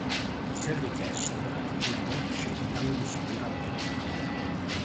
Se richiesto, alcune gocce di Angostura Bitter.